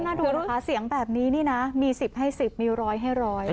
น่าดูเหรอคะเสียงแบบนี้นี่นะมี๑๐ให้๑๐มี๑๐๐ให้๑๐๐